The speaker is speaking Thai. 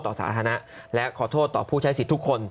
สาธารณะและขอโทษต่อผู้ใช้สิทธิ์ทุกคน